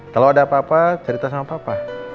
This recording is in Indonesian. kalau ada apa apa cerita sama papa